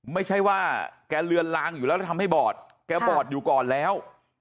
ไม่ใช่ว่าแกเลือนลางอยู่แล้วแล้วทำให้บอดแกบอดอยู่ก่อนแล้ว